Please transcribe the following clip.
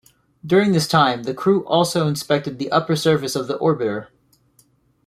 During this time, the crew also inspected the upper surface of the orbiter.